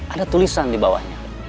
ada tulisan di bawahnya